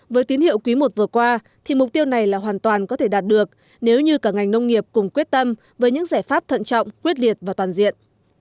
với tín hiệu quý i vừa qua thì mục tiêu này là hoàn toàn có thể đạt được nếu như cả ngành nông nghiệp cùng quyết tâm với những giải pháp thận trọng quyết liệt và toàn diện